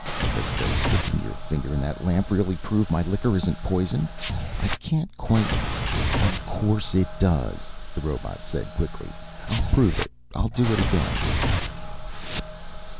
But does sticking your finger in that lamp really prove my liquor isn't poisoned? I can't quite " "Of course it does," the robot said quickly. "I'll prove it. I'll do it again